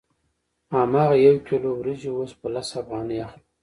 هماغه یو کیلو وریجې اوس په لس افغانۍ اخلو